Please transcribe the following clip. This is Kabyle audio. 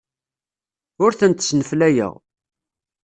Ur tent-sneflayeɣ.